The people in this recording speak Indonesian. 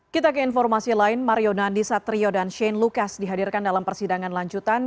kita ke informasi lain mario dandi satrio dan shane lucas dihadirkan dalam persidangan lanjutan